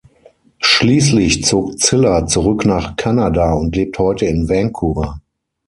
Schließlich zog Ziller zurück nach Kanada und lebt heute in Vancouver.